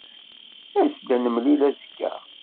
As-d ad nemlil azekka.